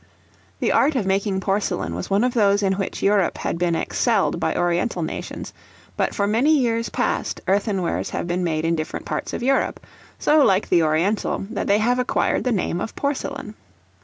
The art of making porcelain was one of those in which Europe had been excelled by oriental nations; but for many years past earthenwares have been made in different parts of Europe, so like the oriental, that they have acquired the name of porcelain.